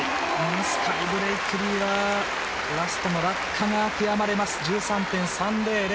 スカイ・ブレイクリーはラストの落下が悔やまれます。１３．３００。